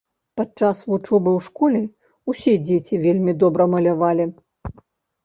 Падчас вучобы ў школе ўсе дзеці вельмі добра малявалі.